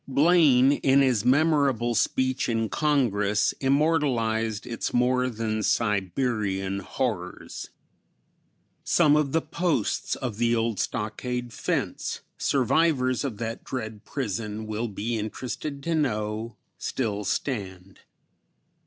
Blaine, in his memorable speech in Congress, immortalized its more than Siberian horrors. Some of the posts of the old stockade fence, survivors of that dread prison will be interested to know, still stand.